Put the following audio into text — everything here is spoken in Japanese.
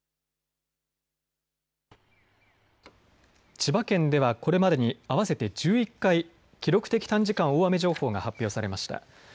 千葉県ではこれまでに合わせて１１回、記録的短時間大雨情報が発表されました。